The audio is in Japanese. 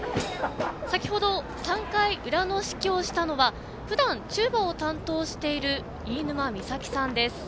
先程、３回裏の指揮をしたのはふだん、チューバを担当しているいいぬまみさきさんです。